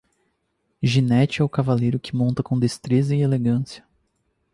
Ginete é o cavaleiro que monta com destreza e elegância